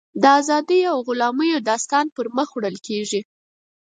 د ازادیو او غلامیو داستان پر مخ وړل کېږي.